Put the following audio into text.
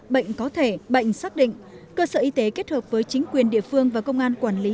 bệnh có thể bệnh xác định cơ sở y tế kết hợp với chính quyền địa phương và công an quản lý